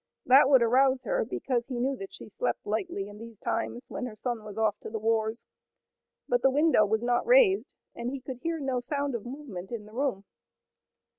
That would arouse her, because he knew that she slept lightly in these times, when her son was off to the wars. But the window was not raised, and he could hear no sound of movement in the room.